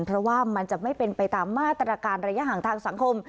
เพราะว่ามันจะไม่เป็นไปตามมาตรการระยะห่างทางสังคม